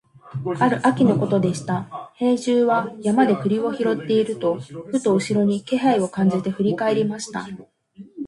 ある秋のことでした、兵十は山で栗を拾っていると、ふと後ろに気配を感じて振り返りました。